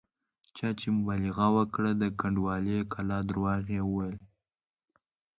چا چې مبالغه وکړه د کنډوالې کلا درواغ یې وویل.